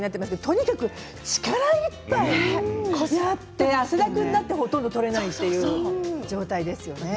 とにかく力一杯やって汗だくになってほとんど取れないという状態ですよね。